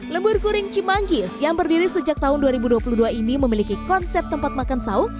lembur kuring cimanggis yang berdiri sejak tahun dua ribu dua puluh dua ini memiliki konsep tempat makan sahuk